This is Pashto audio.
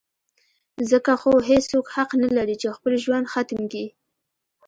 ځکه خو هېڅوک حق نه لري چې خپل ژوند ختم کي.